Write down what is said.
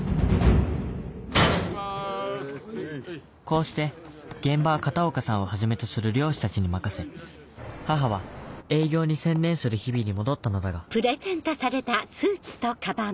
こうして現場は片岡さんをはじめとする漁師たちに任せ母は営業に専念する日々に戻ったのだがフゥ。